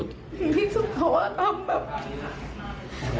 ถึงที่สุดเขาทำแบบ